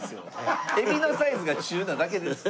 えびのサイズが中なだけです。